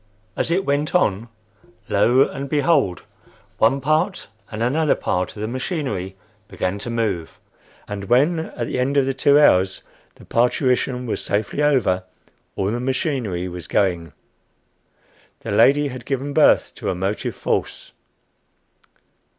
As it went on, lo and behold! one part and another part of the machinery began to move! And when, at the end of the two hours, the parturition was safely over, all the machinery was going! The lady had given birth to a Motive Force.